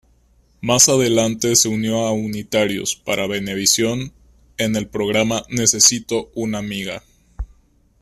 Más adelante se unió a Unitarios para Venevisión en el programa "Necesito una amiga".